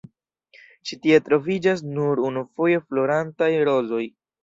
Ĉi tie troviĝas nur unufoje florantaj rozoj.